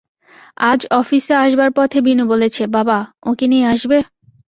আজ অফিসে আসবার পথে বিনু বলেছে, বাবা, ওঁকে নিয়ে আসবে?